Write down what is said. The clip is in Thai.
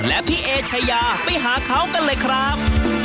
และพี่เอชายาไปหาเขากันเลยครับ